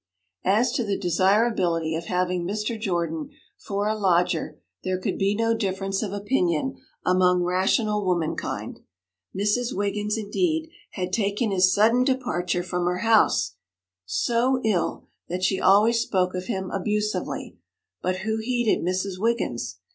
As to the desirability of having Mr. Jordan for a lodger there could be no difference of opinion among rational womankind. Mrs. Wiggins, indeed, had taken his sudden departure from her house so ill that she always spoke of him abusively; but who heeded Mrs. Wiggins?